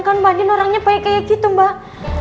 kan mbak andin orangnya baik kayak gitu mbak